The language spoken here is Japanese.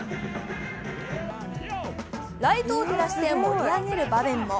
ライトを照らして盛り上げる場面も。